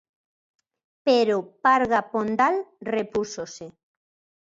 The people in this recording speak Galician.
Pero Parga Pondal repúxose.